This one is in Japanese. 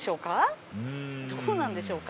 うんどうなんでしょうか？